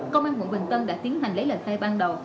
công an quận bình tân đã tiến hành lấy lệnh thay ban đầu